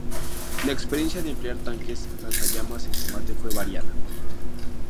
La experiencia de emplear tanques lanzallamas en combate fue variada.